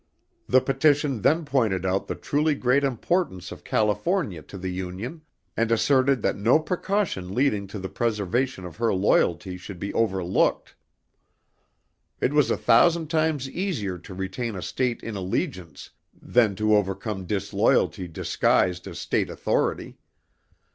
The petition then pointed out the truly great importance of California to the Union, and asserted that no precaution leading to the preservation of her loyalty should be overlooked. It was a thousand times easier to retain a state in allegiance than to overcome disloyalty disguised as state authority.